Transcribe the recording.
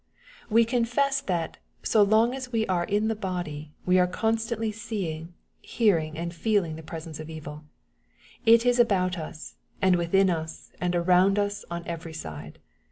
We confess that, so long as we are in the body, we are constantly seeing, hearing, and feeling the presence of evil. It is about us, and within us, and around us on every side.